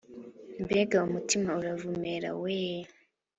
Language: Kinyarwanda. Mbega umutima uravumera, we